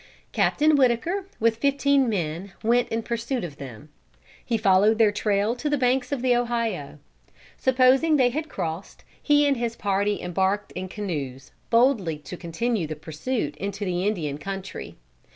Captain Whittaker, with fifteen men, went in pursuit of them. He followed their trail to the banks of the Ohio. Supposing they had crossed, he and his party embarked in canoes, boldly to continue the pursuit into the Indian country.